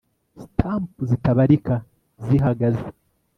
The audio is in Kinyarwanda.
stump zitabarika zihagaze